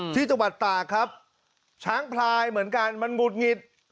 ที่จังหวัดตากครับช้างพลายเหมือนกันมันหุดหงิด